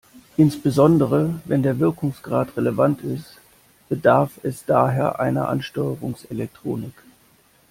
Insbesondere wenn der Wirkungsgrad relevant ist, bedarf es daher einer Ansteuerungselektronik.